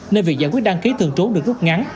nên việc giải quyết đăng ký thường trú được rút ngắn